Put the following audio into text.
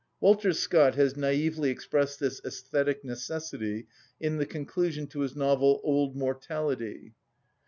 Walter Scott has naïvely expressed this æsthetic necessity in the conclusion to his novel, "Old Mortality."